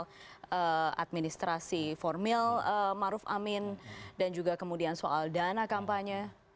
soal administrasi formil maruf amin dan juga kemudian soal dana kampanye